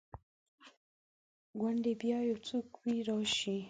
ګوندي بیا یو څوک وي راشي